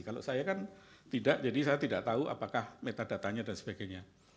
kalau saya kan tidak jadi saya tidak tahu apakah metadatanya dan sebagainya